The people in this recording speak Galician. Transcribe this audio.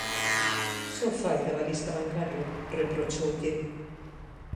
Só fai de avalista bancario, reprochoulle.